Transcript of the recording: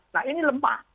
nah ini lemah